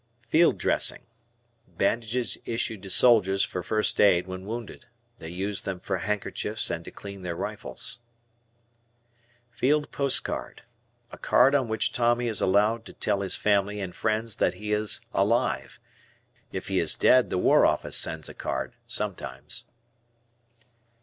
Field Dressing. Bandages issued to soldiers for first aid when wounded. They use them for handkerchiefs and to clean their rifles. Field Post Card. A card on which Tommy is allowed to tell his family and friends that he is alive; if he is dead the War Office sends a card, sometimes.